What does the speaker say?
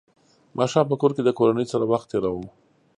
ماښام په کور کې د کورنۍ سره وخت تېروم.